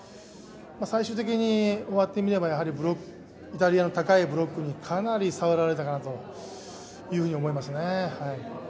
最終的に終わってみれば、やはりイタリアの高いブロックにかなり触られたかなと思いますね。